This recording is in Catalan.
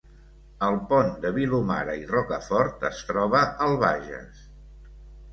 El Pont de Vilomara i Rocafort es troba al Bages